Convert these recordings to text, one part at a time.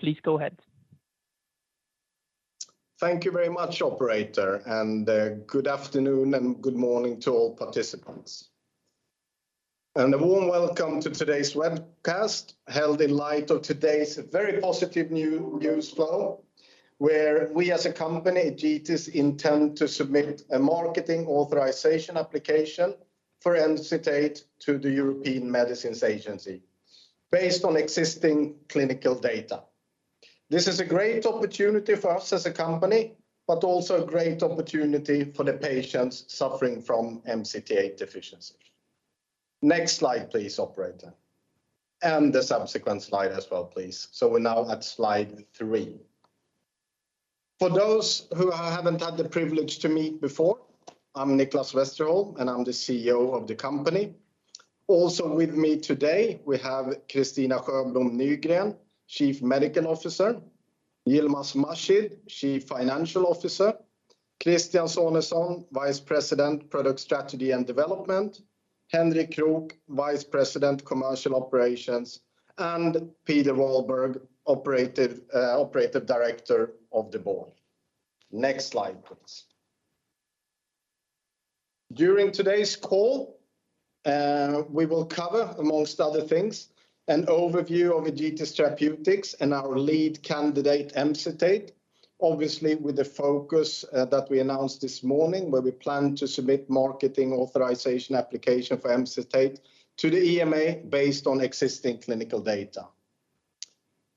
Please go ahead. Thank you very much, operator, and good afternoon and good morning to all participants. A warm welcome to today's webcast, held in light of today's very positive news flow, where we as a company, Egetis, intend to submit a marketing authorization application for Emcitate to the European Medicines Agency based on existing clinical data. This is a great opportunity for us as a company, but also a great opportunity for the patients suffering from MCT8 deficiency. Next slide, please, operator, and the subsequent slide as well, please. We're now at slide three. For those who haven't had the privilege to meet before, I'm Nicklas Westerholm, and I'm the CEO of the company. With me today, we have Kristina Sjöblom Nygren, Chief Medical Officer, Yilmaz Mahshid, Chief Financial Officer, Christian Sonesson, Vice President, Product Strategy and Development, Henrik Krook, Vice President, Commercial Operations, and Peder Walberg, Operating Director of the Board. Next slide, please. During today's call, we will cover, among other things, an overview of Egetis Therapeutics and our lead candidate Emcitate, obviously with the focus that we announced this morning, where we plan to submit marketing authorization application for Emcitate to the EMA based on existing clinical data.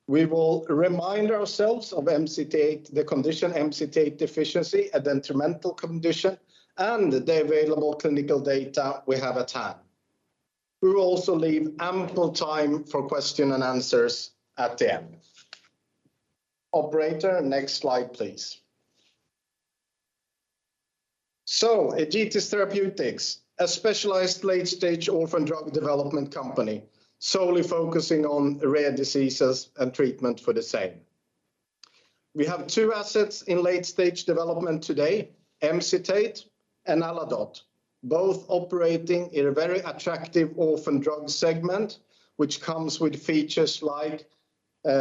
We will remind ourselves of MCT8, the condition MCT8 deficiency, a detrimental condition, and the available clinical data we have at hand. We will also leave ample time for questions and answers at the end. Operator, next slide, please. Egetis Therapeutics, a specialized late-stage orphan drug development company solely focusing on rare diseases and treatment for the same. We have two assets in late-stage development today, Emcitate and Aladote, both operating in a very attractive orphan drug segment, which comes with features like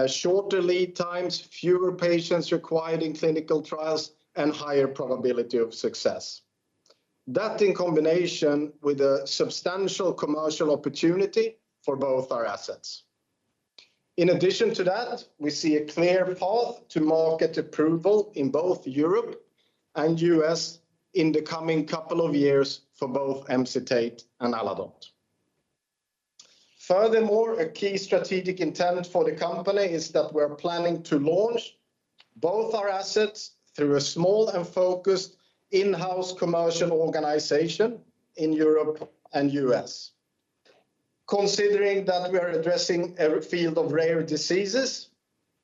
shorter lead times, fewer patients required in clinical trials, and higher probability of success. That in combination with a substantial commercial opportunity for both our assets. In addition to that, we see a clear path to market approval in both Europe and U.S. in the coming couple of years for both Emcitate and Aladote. Furthermore, a key strategic intent for the company is that we're planning to launch both our assets through a small and focused in-house commercial organization in Europe and U.S. Considering that we are addressing a field of rare diseases,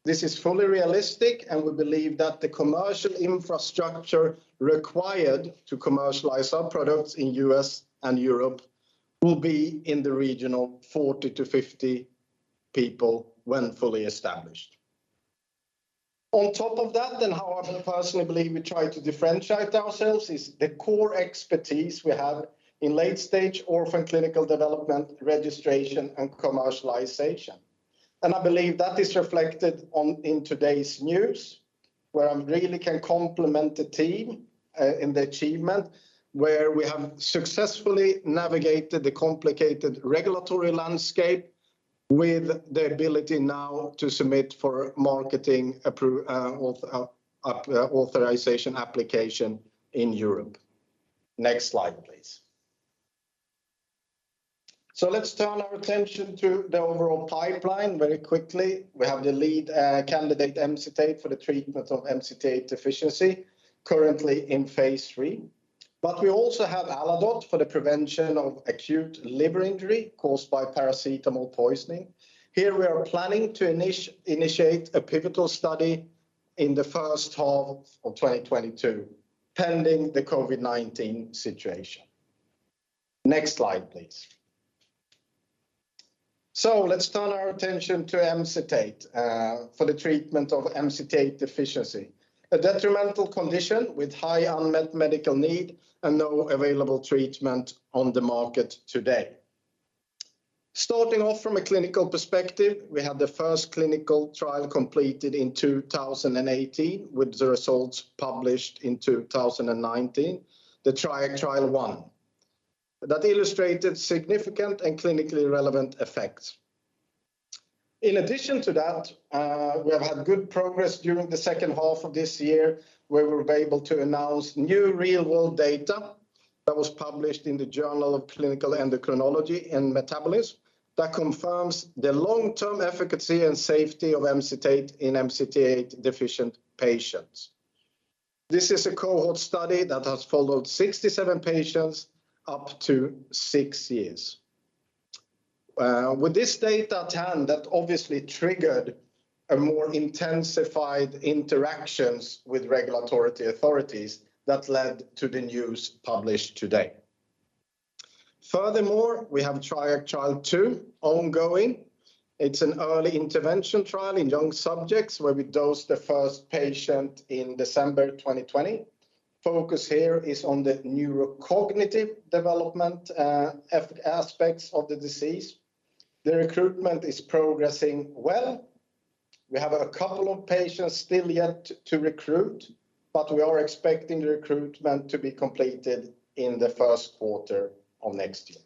this is fully realistic, and we believe that the commercial infrastructure required to commercialize our products in the U.S. and Europe will be in the region of 40-50 people when fully established. On top of that, then how I personally believe we try to differentiate ourselves is the core expertise we have in late-stage orphan clinical development, registration and commercialization. I believe that is reflected in today's news, where I really can compliment the team in the achievement, where we have successfully navigated the complicated regulatory landscape with the ability now to submit for marketing authorisation application in Europe. Next slide, please. Let's turn our attention to the overall pipeline very quickly. We have the lead candidate Emcitate for the treatment of MCT8 deficiency currently in phase III. We also have Aladote for the prevention of acute liver injury caused by paracetamol poisoning. Here we are planning to initiate a pivotal study in the first half of 2022, pending the COVID-19 situation. Next slide, please. Let's turn our attention to Emcitate for the treatment of MCT8 deficiency, a detrimental condition with high unmet medical need and no available treatment on the market today. Starting off from a clinical perspective, we have the first clinical trial completed in 2018, with the results published in 2019, the Triac Trial I. That illustrated significant and clinically relevant effects. In addition to that, we have had good progress during the second half of this year, where we were able to announce new real-world data that was published in The Journal of Clinical Endocrinology & Metabolism that confirms the long-term efficacy and safety of Emcitate in MCT8-deficient patients. This is a cohort study that has followed 67 patients up to 6 years. With this data at hand, that obviously triggered a more intensified interactions with regulatory authorities that led to the news published today. Furthermore, we have a Triac Trial II ongoing. It's an early intervention trial in young subjects, where we dosed the first patient in December 2020. Focus here is on the neurocognitive development, aspects of the disease. The recruitment is progressing well. We have a couple of patients still yet to recruit, but we are expecting the recruitment to be completed in the Q1 of next year.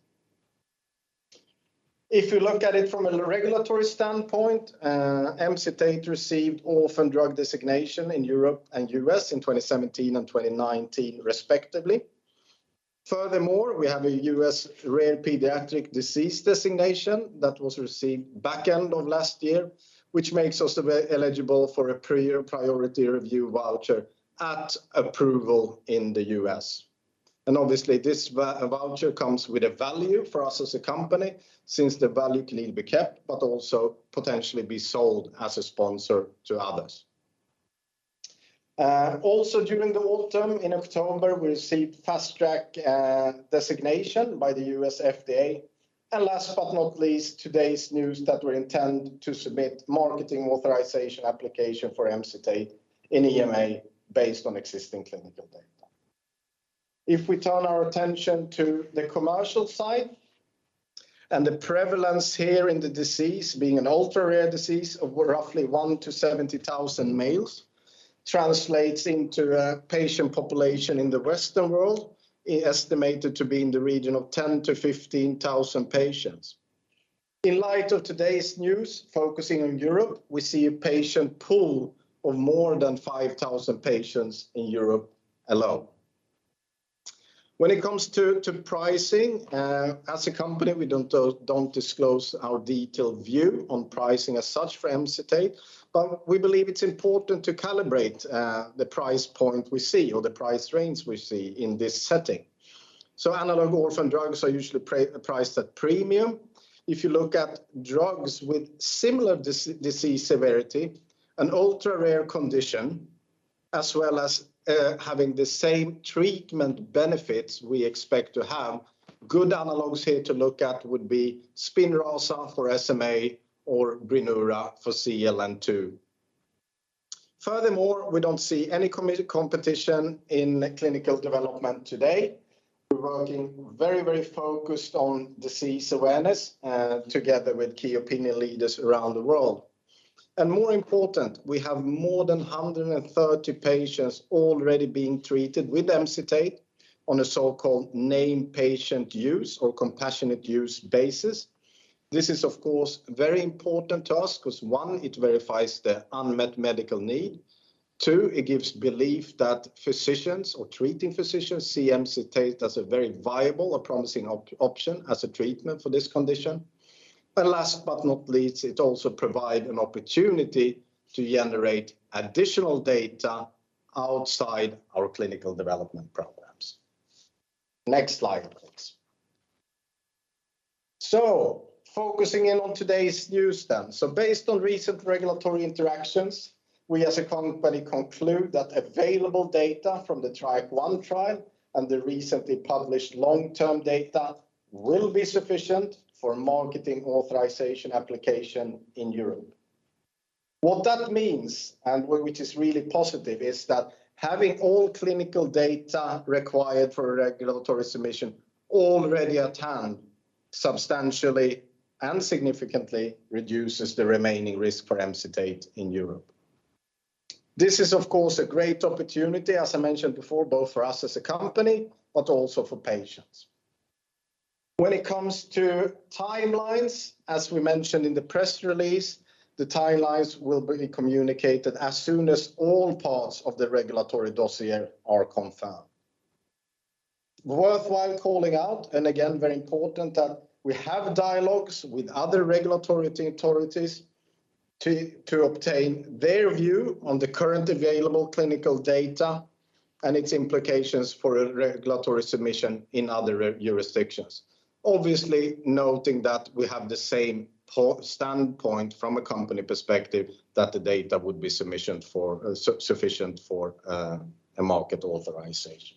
If you look at it from a regulatory standpoint, Emcitate received orphan drug designation in Europe and the U.S. in 2017 and 2019 respectively. Furthermore, we have a U.S. Rare Pediatric Disease Designation that was received back end of last year, which makes us eligible for a priority review voucher at approval in the U.S. Obviously, this voucher comes with a value for us as a company since the value can either be kept but also potentially be sold as a sponsor to others. Also during the autumn, in October, we received Fast Track designation by the U.S. FDA. Last but not least, today's news that we intend to submit marketing authorization application for Emcitate to EMA based on existing clinical data. If we turn our attention to the commercial side and the prevalence of the disease being an ultra-rare disease of roughly 1 in 70,000 males translates into a patient population in the Western world estimated to be in the region of 10,000-15,000 patients. In light of today's news, focusing on Europe, we see a patient pool of more than 5,000 patients in Europe alone. When it comes to pricing, as a company, we don't disclose our detailed view on pricing as such for Emcitate, but we believe it's important to calibrate the price point we see or the price range we see in this setting. Analogous orphan drugs are usually priced at premium. If you look at drugs with similar disease severity, an ultra-rare condition, as well as having the same treatment benefits we expect to have, good analogs here to look at would be Spinraza for SMA or Brineura for CLN2. Furthermore, we don't see any competition in clinical development today. We're working very focused on disease awareness, together with key opinion leaders around the world. More important, we have more than 130 patients already being treated with Emcitate on a so-called named patient use or compassionate use basis. This is, of course, very important to us 'cause, one, it verifies the unmet medical need. Two, it gives belief that physicians or treating physicians see Emcitate as a very viable or promising option as a treatment for this condition. Last but not least, it also provide an opportunity to generate additional data outside our clinical development programs. Next slide, please. Focusing in on today's news then. Based on recent regulatory interactions, we as a company conclude that available data from the Triac Trial I trial and the recently published long-term data will be sufficient for marketing authorization application in Europe. What that means, which is really positive, is that having all clinical data required for a regulatory submission already at hand substantially and significantly reduces the remaining risk for Emcitate in Europe. This is, of course, a great opportunity, as I mentioned before, both for us as a company, but also for patients. When it comes to timelines, as we mentioned in the press release, the timelines will be communicated as soon as all parts of the regulatory dossier are confirmed. worthwhile calling out, and again, very important that we have dialogues with other regulatory authorities to obtain their view on the current available clinical data and its implications for a regulatory submission in other jurisdictions. Obviously, noting that we have the same standpoint from a company perspective that the data would be sufficient for a market authorization.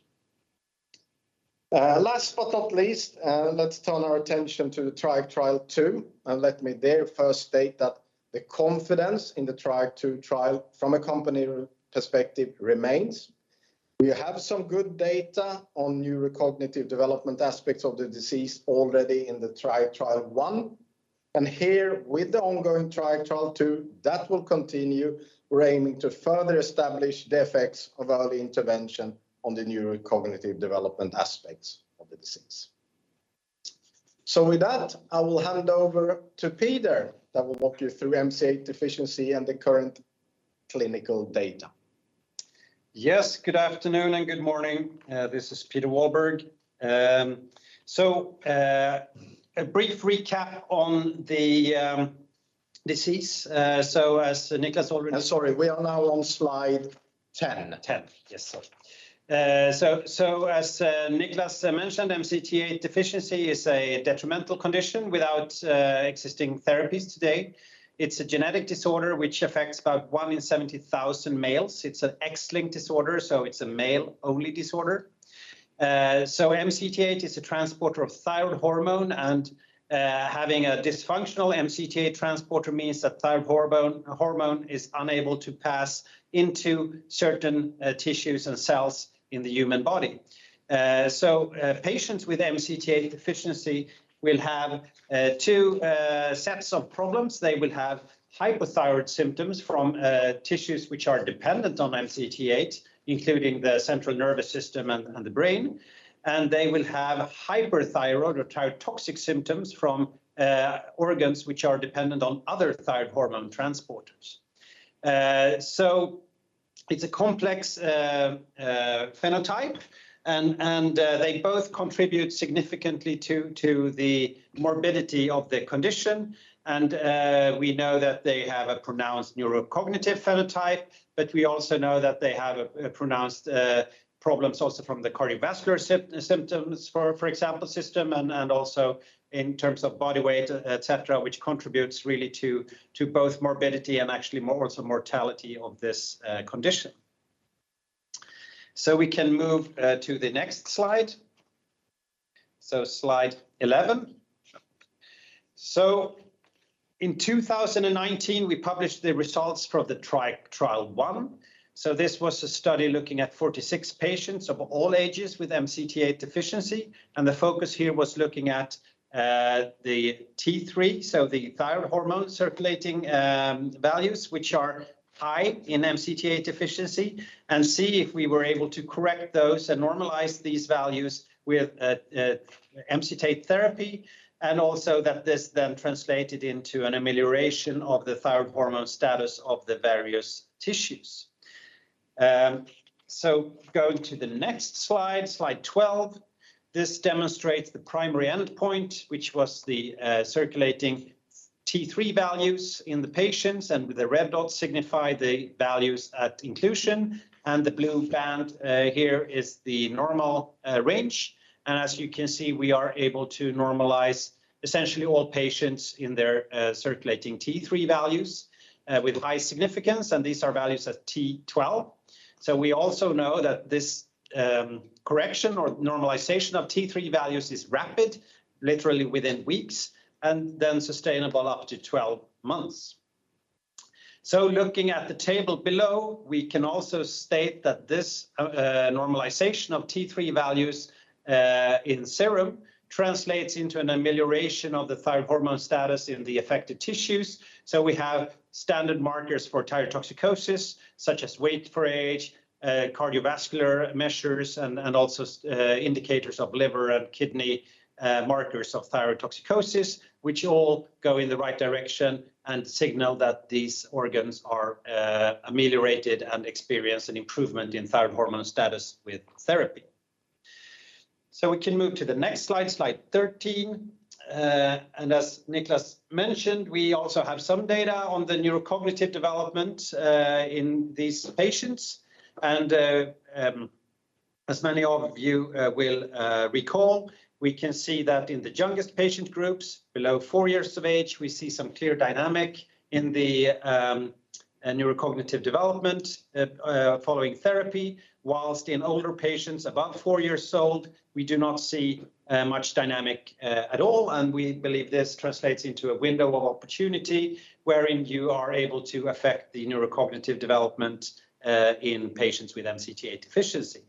Last but not least, let's turn our attention to the Triac Trial II, and let me there first state that the confidence in the Triac Trial II from a company perspective remains. We have some good data on neurocognitive development aspects of the disease already in the Triac Trial I. Here, with the ongoing Triac Trial II, that will continue. We're aiming to further establish the effects of early intervention on the neurocognitive development aspects of the disease. With that, I will hand over to Peder Walberg that will walk you through MCT8 deficiency and the current clinical data. Yes, good afternoon and good morning. This is Peder Walberg. A brief recap on the disease as Nicklas already- Sorry, we are now on slide 10. As Nicklas mentioned, MCT8 deficiency is a detrimental condition without existing therapies today. It's a genetic disorder which affects about 1 in 70,000 males. It's an X-linked disorder, so it's a male-only disorder. MCT8 is a transporter of thyroid hormone, and having a dysfunctional MCT8 transporter means that thyroid hormone is unable to pass into certain tissues and cells in the human body. Patients with MCT8 deficiency will have two sets of problems. They will have hypothyroid symptoms from tissues which are dependent on MCT8, including the central nervous system and the brain. They will have hyperthyroid or thyrotoxic symptoms from organs which are dependent on other thyroid hormone transporters. It's a complex phenotype and they both contribute significantly to the morbidity of the condition. We know that they have a pronounced neurocognitive phenotype, but we also know that they have a pronounced problem also from the cardiovascular symptoms, for example, systemic and also in terms of body weight, et cetera, which contributes really to both morbidity and actually more so mortality of this condition. We can move to the next slide. Slide 11. In 2019, we published the results for the Triac Trial I. This was a study looking at 46 patients of all ages with MCT8 deficiency, and the focus here was looking at the T3, so the thyroid hormone circulating values which are high in MCT8 deficiency, and see if we were able to correct those and normalize these values with MCT8 therapy, and also that this then translated into an amelioration of the thyroid hormone status of the various tissues. Going to the next slide 12. This demonstrates the primary endpoint, which was the circulating T3 values in the patients, and the red dots signify the values at inclusion, and the blue band here is the normal range. As you can see, we are able to normalize essentially all patients in their circulating T3 values with high significance, and these are values at T12. We also know that this correction or normalization of T3 values is rapid, literally within weeks, and then sustainable up to 12 months. Looking at the table below, we can also state that this normalization of T3 values in serum translates into an amelioration of the thyroid hormone status in the affected tissues. We have standard markers for thyrotoxicosis, such as weight for age, cardiovascular measures, and also indicators of liver and kidney markers of thyrotoxicosis, which all go in the right direction and signal that these organs are ameliorated and experience an improvement in thyroid hormone status with therapy. We can move to the next slide 13. As Nicklas mentioned, we also have some data on the neurocognitive development in these patients. As many of you will recall, we can see that in the youngest patient groups, below four years of age, we see some clear dynamic in the neurocognitive development following therapy. While in older patients above four years old, we do not see much dynamic at all, and we believe this translates into a window of opportunity wherein you are able to affect the neurocognitive development in patients with MCT8 deficiency.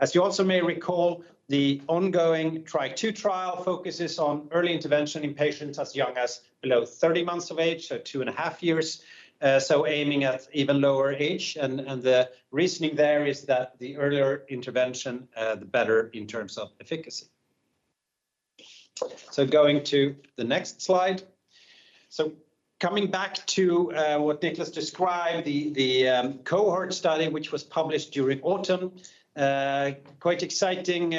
As you also may recall, the ongoing Triac Trial II focuses on early intervention in patients as young as below 30 months of age, so 2.5 years, so aiming at even lower age. The reasoning there is that the earlier intervention, the better in terms of efficacy. Going to the next slide. Coming back to what Nicklas described, the cohort study, which was published during autumn, quite exciting.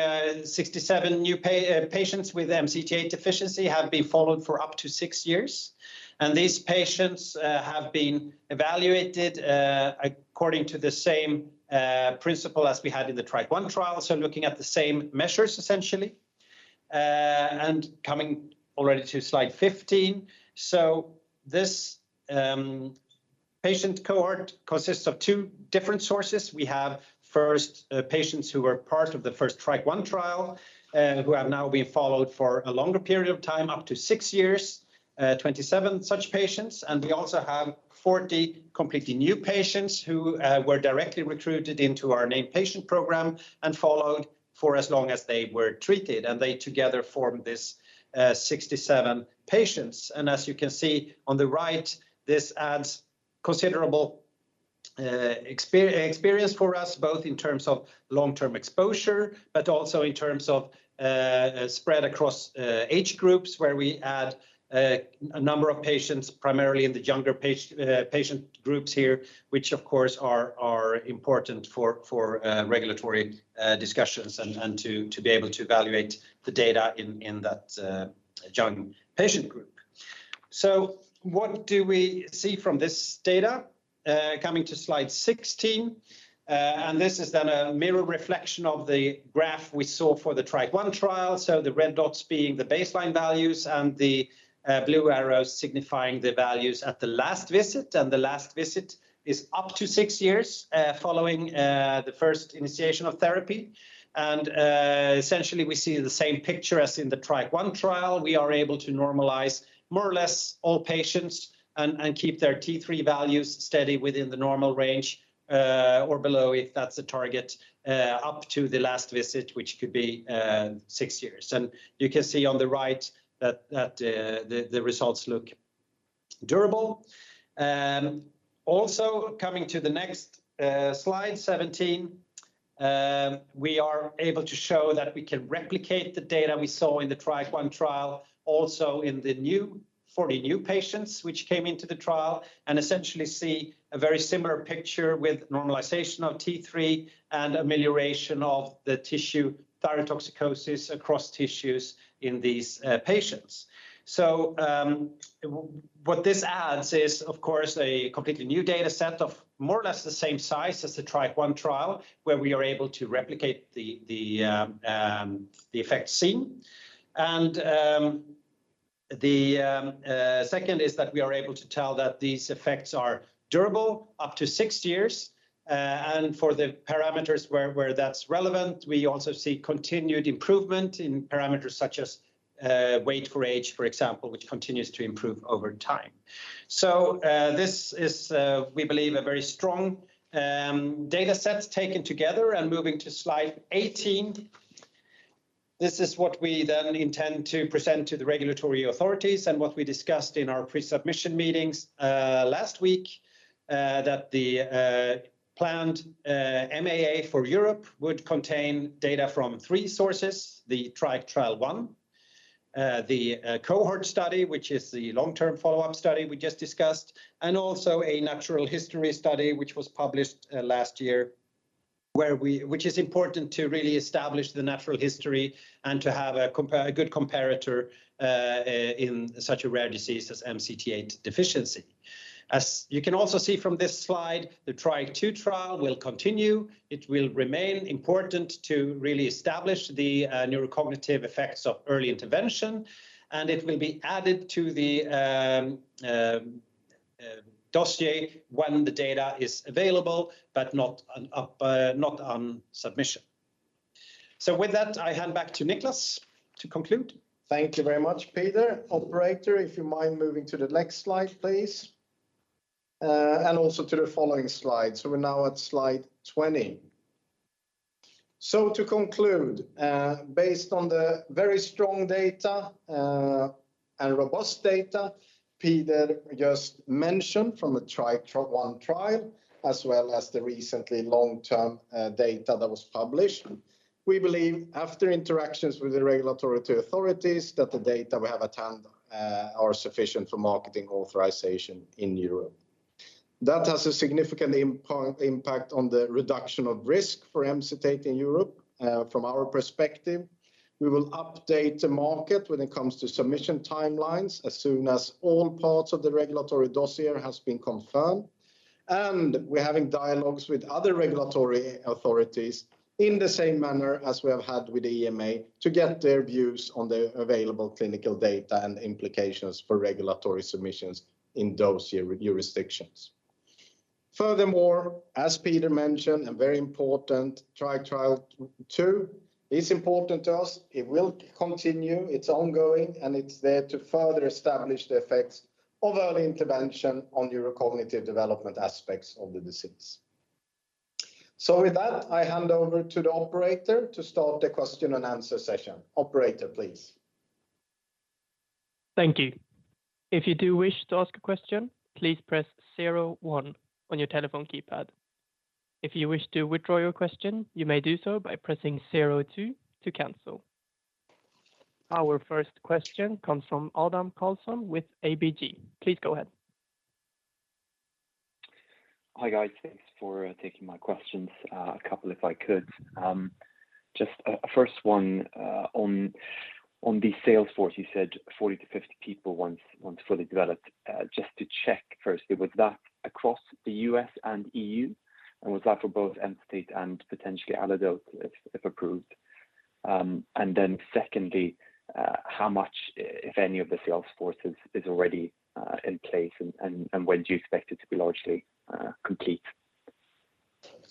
67 new patients with MCT8 deficiency have been followed for up to 6 years. These patients have been evaluated according to the same principle as we had in the Triac Trial I. Looking at the same measures essentially. Coming already to slide 15. This patient cohort consists of two different sources. We have first patients who were part of the first Triac Trial I who have now been followed for a longer period of time, up to 6 years, 27 such patients. We also have 40 completely new patients who were directly recruited into our named patient program and followed for as long as they were treated. They together formed this 67 patients. As you can see on the right, this adds considerable experience for us, both in terms of long-term exposure, but also in terms of spread across age groups, where we add a number of patients, primarily in the younger patient groups here, which of course are important for regulatory discussions and to be able to evaluate the data in that young patient group. What do we see from this data? Coming to slide 16, and this is then a mirror reflection of the graph we saw for the Triac Trial I. The red dots being the baseline values and the blue arrows signifying the values at the last visit, and the last visit is up to six years following the first initiation of therapy. Essentially we see the same picture as in the Triac Trial I. We are able to normalize more or less all patients and keep their T3 values steady within the normal range or below if that's the target up to the last visit, which could be six years. You can see on the right that the results look durable. Also coming to the next slide 17, we are able to show that we can replicate the data we saw in the Triac Trial I also in the new patients which came into the trial and essentially see a very similar picture with normalization of T3 and amelioration of the tissue thyrotoxicosis across tissues in these patients. What this adds is of course a completely new data set of more or less the same size as the Triac Trial I, where we are able to replicate the effect seen. The second is that we are able to tell that these effects are durable up to six years. For the parameters where that's relevant, we also see continued improvement in parameters such as, weight for age, for example, which continues to improve over time. This is, we believe a very strong, data set taken together. Moving to slide 18, this is what we then intend to present to the regulatory authorities and what we discussed in our pre-submission meetings, last week, that the, planned, MAA for Europe would contain data from three sources, the Triac Trial I, the, cohort study, which is the long-term follow-up study we just discussed, and also a natural history study which was published, last year, which is important to really establish the natural history and to have a good comparator, in such a rare disease as MCT8 deficiency. As you can also see from this slide, the trial will continue. It will remain important to really establish the neurocognitive effects of early intervention, and it will be added to the dossier when the data is available, but not upon submission. With that, I hand back to Nicklas to conclude. Thank you very much, Peder. Operator, if you don't mind moving to the next slide, please, and also to the following slide. We're now at slide 20. To conclude, based on the very strong data and robust data Peder just mentioned from the TRIAD1 trial, as well as the recent long-term data that was published, we believe after interactions with the regulatory authorities that the data we have at hand are sufficient for marketing authorization in Europe. That has a significant impact on the reduction of risk for MCT8 in Europe, from our perspective. We will update the market when it comes to submission timelines as soon as all parts of the regulatory dossier has been confirmed. We're having dialogues with other regulatory authorities in the same manner as we have had with EMA to get their views on the available clinical data and implications for regulatory submissions in those jurisdictions. Furthermore, as Peder mentioned, and very important, Triac Trial II is important to us. It will continue, it's ongoing, and it's there to further establish the effects of early intervention on neurocognitive development aspects of the disease. With that, I hand over to the operator to start the question and answer session. Operator, please. Thank you, if you do wish to ask questions please press zero one on the telephone keypad, if you wish to withdraw your question you may do so by pressing zero two. Our first question comes from Adam Karlsson with Aurelia Partners. Please go ahead. Hi, guys. Thanks for taking my questions. A couple if I could. Just a first one on the sales force, you said 40-50 people once fully developed. Just to check first, was that across the U.S. and E.U. And was that for both Emcitate and potentially Aladote if approved? Secondly, how much, if any, of the sales force is already in place and when do you expect it to be largely complete?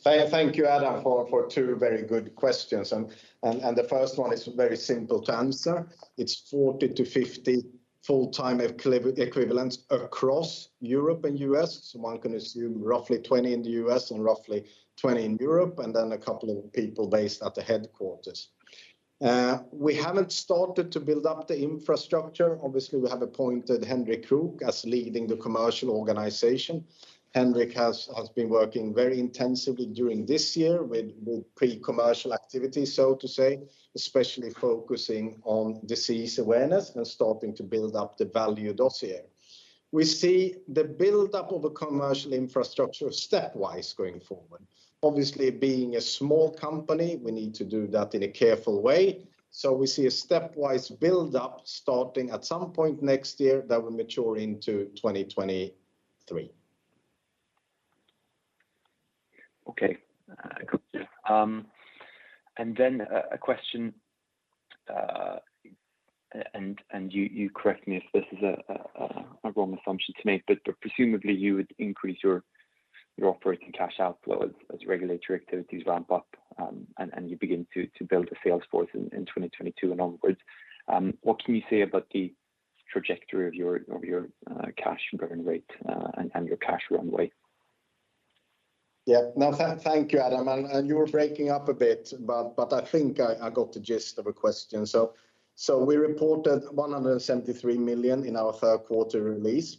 Thank you, Adam, for two very good questions. The first one is very simple to answer. It's 40-50 full-time equivalents across Europe and U.S. One can assume roughly 20 in the U.S. and roughly 20 in Europe, and then a couple of people based at the headquarters. We haven't started to build up the infrastructure. Obviously, we have appointed Henrik Krook as leading the commercial organization. Henrik has been working very intensively during this year with pre-commercial activity, so to say, especially focusing on disease awareness and starting to build up the value dossier. We see the buildup of a commercial infrastructure stepwise going forward. Obviously, being a small company, we need to do that in a careful way. We see a stepwise buildup starting at some point next year that will mature into 2023. Okay, A question, and you correct me if this is a wrong assumption to make, but presumably you would increase your operating cash outflow as regulatory activities ramp up, and you begin to build a sales force in 2022 and onwards. What can you say about the trajectory of your cash burn rate, and your cash runway? Yeah. No, thank you, Adam. You were breaking up a bit, but I think I got the gist of the question. We reported 173 million in our Q3 release.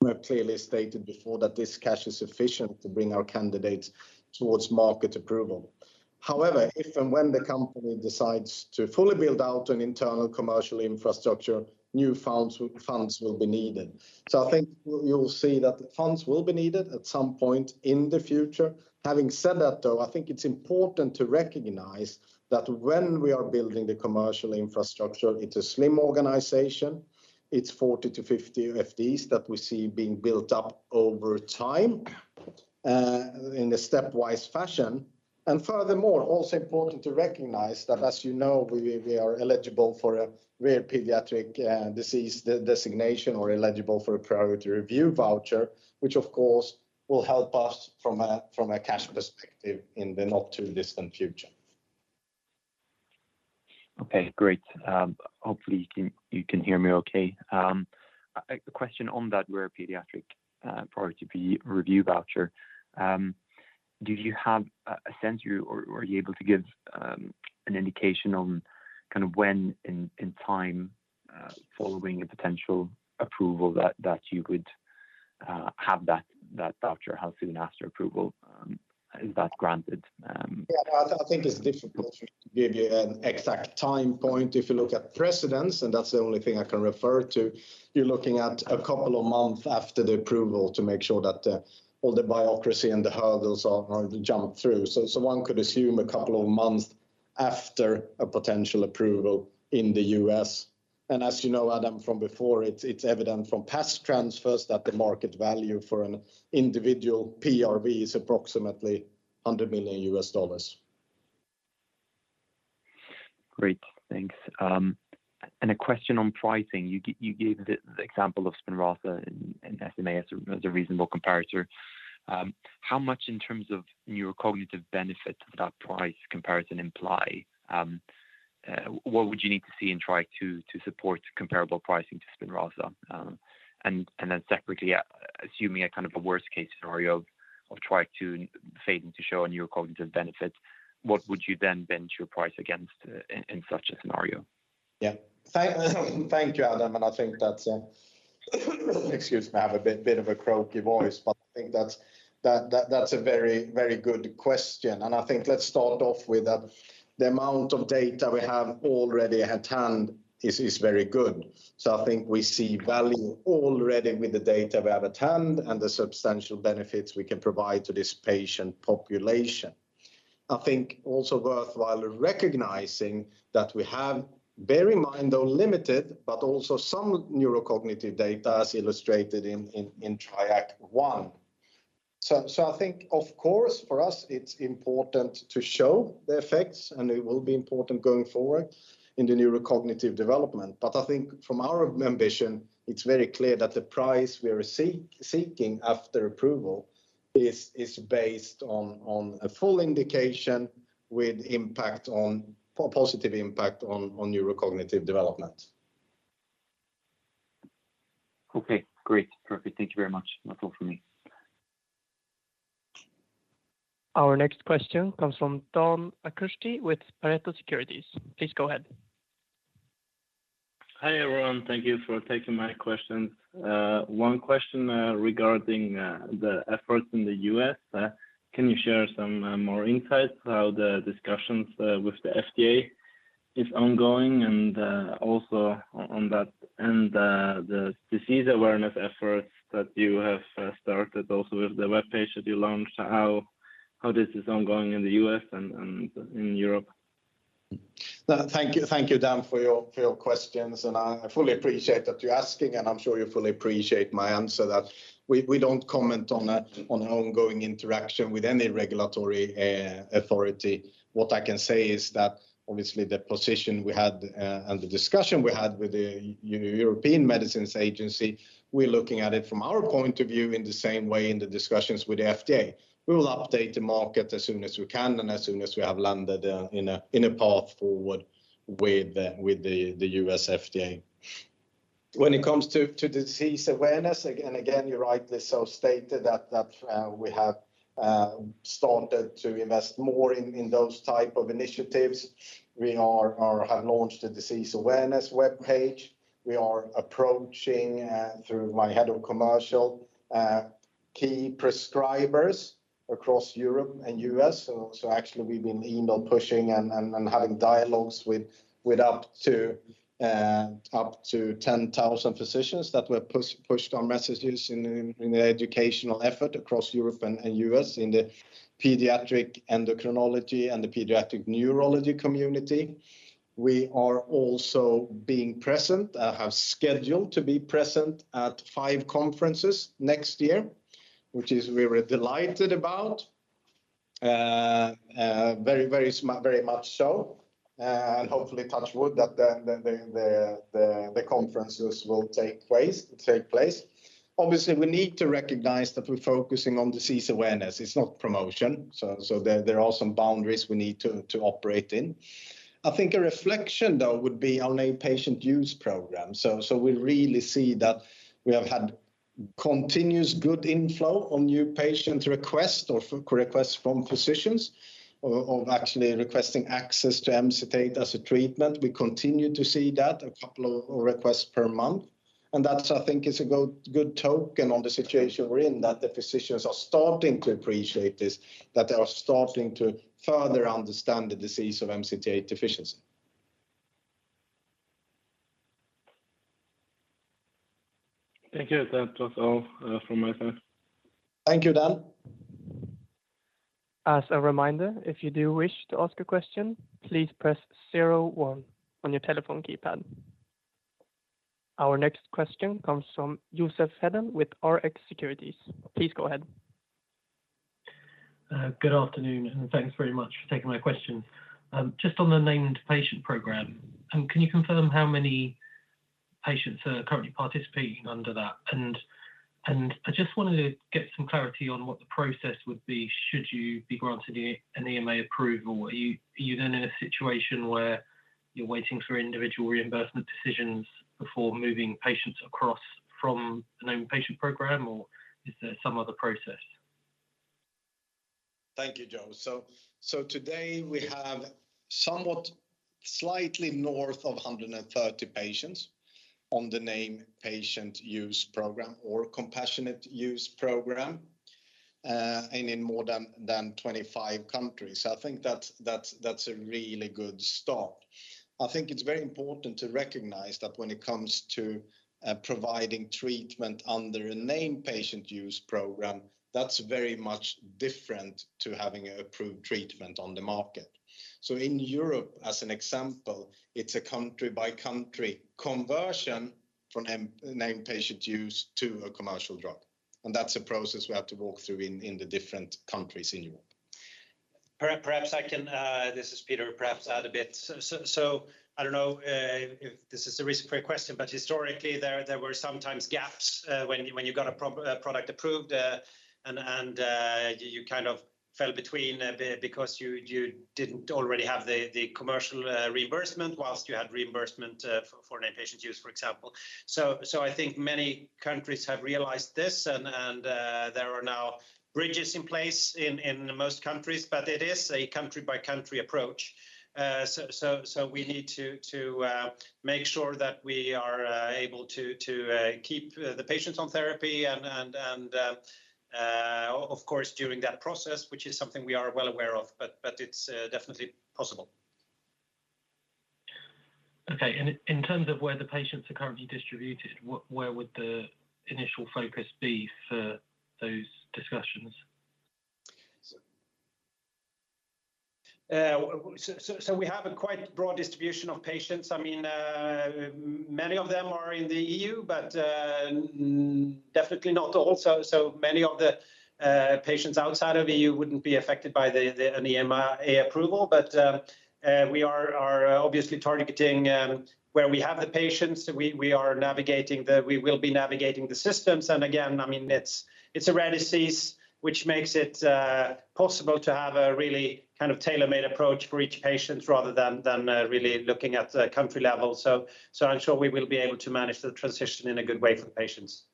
We have clearly stated before that this cash is sufficient to bring our candidates towards market approval. However, if and when the company decides to fully build out an internal commercial infrastructure, new funds will be needed. I think you'll see that funds will be needed at some point in the future. Having said that, though, I think it's important to recognize that when we are building the commercial infrastructure, it's a slim organization, it's 40-50 FTEs that we see being built up over time, in a stepwise fashion. Furthermore, also important to recognize that as you know, we are eligible for a Rare Pediatric Disease Designation or eligible for a Priority Review Voucher, which of course will help us from a cash perspective in the not-too-distant future. Okay, great. Hopefully you can hear me okay. A question on that Rare Pediatric Priority Review Voucher. Do you have a sense, or are you able to give an indication on kind of when in time following a potential approval that you would have that voucher, how soon after approval is that granted? I think it's difficult to give you an exact time point. If you look at precedents, and that's the only thing I can refer to, you're looking at a couple of months after the approval to make sure that all the bureaucracy and the hurdles are jumped through. So one could assume a couple of months after a potential approval in the U.S. As you know, Adam, from before, it's evident from past transfers that the market value for an individual PRV is approximately $100 million. Great. Thanks. A question on pricing. You gave the example of Spinraza and SMA as a reasonable comparator. How much in terms of neurocognitive benefit does that price comparison imply? What would you need to see in Triac Trial II to support comparable pricing to Spinraza? And then separately, assuming a kind of a worst-case scenario of Triac Trial II failing to show a neurocognitive benefit, what would you then benchmark your price against in such a scenario? Yeah. Thank you, Adam. I think that's, excuse me, I have a bit of a croaky voice. I think that's a very good question. I think let's start off with the amount of data we have already at hand is very good. I think we see value already with the data we have at hand and the substantial benefits we can provide to this patient population. I think also worthwhile recognizing that we have, bear in mind, though limited, but also some neurocognitive data as illustrated in Triac Trial I. I think, of course, for us, it's important to show the effects, and it will be important going forward in the neurocognitive development. But I think from our ambition, it's very clear that the price we are seeking after approval is based on a full indication with positive impact on neurocognitive development. Okay, great. Perfect. Thank you very much. That's all for me. Our next question comes from Dan Akschuti with Pareto Securities. Please go ahead. Hi, everyone. Thank you for taking my questions. One question regarding the efforts in the U.S. Can you share some more insights how the discussions with the FDA is ongoing, and also on that and the disease awareness efforts that you have started also with the webpage that you launched, how this is ongoing in the U.S. and in Europe? Thank you, Dan, for your questions. I fully appreciate that you're asking, and I'm sure you fully appreciate my answer that we don't comment on ongoing interaction with any regulatory authority. What I can say is that obviously the position we had and the discussion we had with the European Medicines Agency, we're looking at it from our point of view in the same way in the discussions with the FDA. We will update the market as soon as we can and as soon as we have landed in a path forward with the U.S. FDA. When it comes to disease awareness, again, you rightly so stated that we have started to invest more in those type of initiatives. We are... have launched a disease awareness webpage. We are approaching through my head of commercial key prescribers across Europe and U.S. Actually we've been emailing, pushing and having dialogues with up to 10,000 physicians, pushing messages in the educational effort across Europe and U.S. in the pediatric endocrinology and the pediatric neurology community. We are also being present. I have scheduled to be present at 5 conferences next year, which we were delighted about. Very much so, and hopefully touch wood that the conferences will take place. Obviously, we need to recognize that we're focusing on disease awareness. It's not promotion, so there are some boundaries we need to operate in. I think a reflection though would be our named patient use program. We really see that we have had continuous good inflow on new patient requests from physicians of actually requesting access to Emcitate as a treatment. We continue to see that a couple of requests per month, and that's, I think, a good token on the situation we're in, that the physicians are starting to appreciate this, that they are starting to further understand the disease of MCT8 deficiency. Thank you. That was all, from my side. Thank you, Dan. As a reminder, if you do wish to ask a question, please press zero one on your telephone keypad. Our next question comes from Joseph Hedden with Rx Securities. Please go ahead. Good afternoon, and thanks very much for taking my question. Just on the named patient program, can you confirm how many patients are currently participating under that? I just wanted to get some clarity on what the process would be should you be granted an EMA approval. Are you then in a situation where you're waiting for individual reimbursement decisions before moving patients across from the named patient program, or is there some other process? Thank you, Joseph. Today we have somewhat slightly north of 130 patients on the named patient use program or compassionate use program, and in more than 25 countries. I think that's a really good start. I think it's very important to recognize that when it comes to providing treatment under a named patient use program, that's very much different to having an approved treatment on the market. In Europe, as an example, it's a country by country conversion from named patient use to a commercial drug, and that's a process we have to walk through in the different countries in Europe. Perhaps I can, this is Peder, perhaps add a bit. I don't know if this is a recent previous question, but historically there were sometimes gaps when you got a product approved and you kind of fell between because you didn't already have the commercial reimbursement while you had reimbursement for named patient use, for example. I think many countries have realized this and there are now bridges in place in most countries, but it is a country by country approach. We need to make sure that we are able to keep the patients on therapy and, of course, during that process, which is something we are well aware of, but it's definitely possible. Okay. In terms of where the patients are currently distributed, where would the initial focus be for those discussions? We have a quite broad distribution of patients. I mean, many of them are in the EU, but definitely not all. Many of the patients outside of EU wouldn't be affected by an EMA approval. We are obviously targeting where we have the patients. We are navigating the systems. We will be navigating the systems. Again, I mean, it's a rare disease which makes it possible to have a really kind of tailor-made approach for each patient rather than really looking at the country level. I'm sure we will be able to manage the transition in a good way for patients.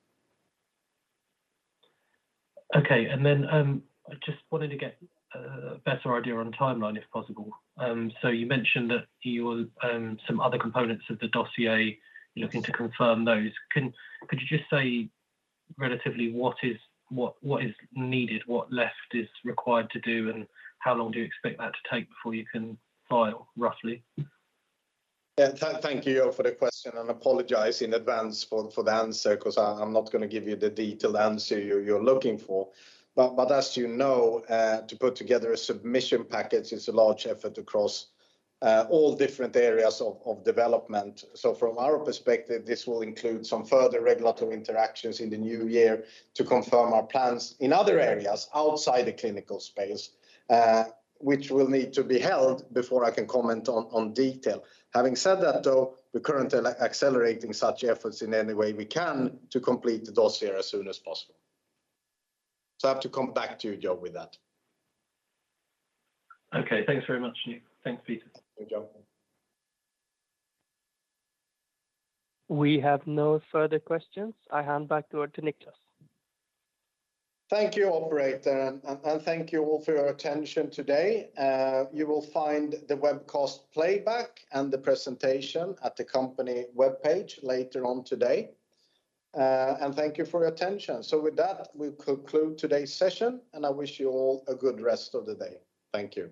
Okay. I just wanted to get a better idea on timeline, if possible. You mentioned that you will some other components of the dossier. Looking to confirm those. Could you just say relatively what is needed, what left is required to do, and how long do you expect that to take before you can file roughly? Thank you, Joseph, for the question, and apologize in advance for the answer 'cause I'm not gonna give you the detailed answer you're looking for. But as you know, to put together a submission package is a large effort across all different areas of development. From our perspective, this will include some further regulatory interactions in the new year to confirm our plans in other areas outside the clinical space, which will need to be held before I can comment on detail. Having said that though, we're currently accelerating such efforts in any way we can to complete the dossier as soon as possible. I have to come back to you, Joseph, with that. Okay. Thanks very much to you. Thanks, Peder. Thank you. We have no further questions. I hand back over to Nicklas. Thank you, operator. Thank you all for your attention today. You will find the webcast playback and the presentation at the company webpage later on today. Thank you for your attention. With that, we conclude today's session, and I wish you all a good rest of the day. Thank you.